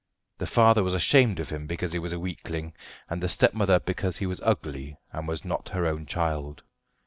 The father was ashamed of him because he was a weakling, and the stepmother because he was ugly, and was not her own child.